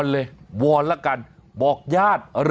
เบิร์ตลมเสียโอ้โห